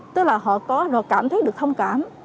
tức là họ có cảm thấy được thông cảm